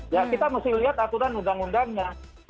ya kita mesti lihat aturan undang undangnya